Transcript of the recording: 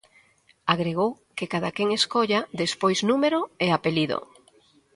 Agregou que cadaquén escolla despois número e apelido.